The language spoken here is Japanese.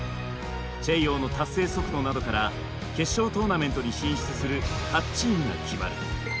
チェイヨーの達成速度などから決勝トーナメントに進出する８チームが決まる。